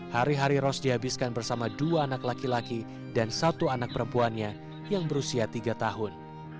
hari hari ros dihabiskan bersama dua anak laki laki dan satu anak perempuannya yang berusia tiga tahun